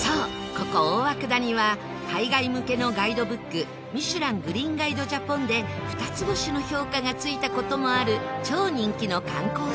ここ、大涌谷は海外向けのガイドブック『ミシュラン・グリーンガイド・ジャポン』で二つ星の評価がついた事もある超人気の観光スポット